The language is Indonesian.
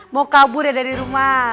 mau kabur ya dari rumah